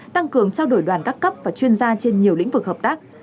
tăng cường trao đổi đoàn các cấp và chuyên gia trên nhiều lĩnh vực hợp tác